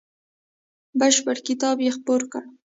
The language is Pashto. بشپړ کتاب یې خپور کړ.